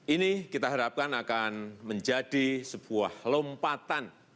ini kita harapkan akan menjadi sebuah lompatan